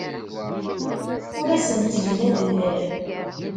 Ur asen-ttgeɣ adellel.